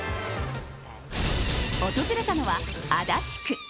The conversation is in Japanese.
訪れたのは足立区。